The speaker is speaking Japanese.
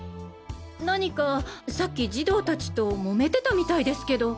何かさっき児童達とモメてたみたいですけど。